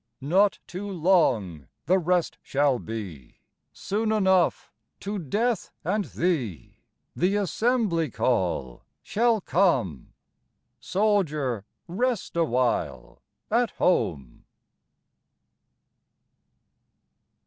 Not too long the rest shall be. Soon enough, to Death and thee, The assembly call shall come. Soldier, rest awhile at home.